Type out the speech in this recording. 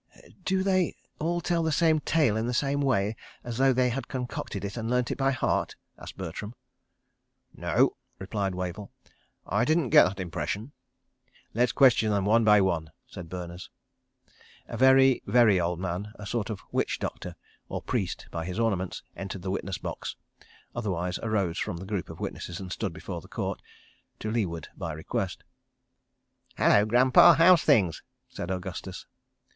... "Do they all tell the same tale in the same way, as though they had concocted it and learnt it by heart?" asked Bertram. "No," replied Wavell. "I didn't get that impression." "Let's question them one by one," said Berners. A very, very old man, a sort of "witch doctor" or priest, by his ornaments, entered the witness box—otherwise arose from the group of witnesses and stood before the Court—to leeward by request. "Hullo, Granpa! How's things?" said Augustus.